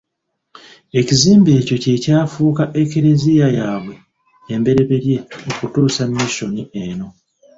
Ekizimbe ekyo kye kyafuuka eklezia yaabwe embereberye okutuusa Mission eyo.